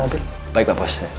baik pak pos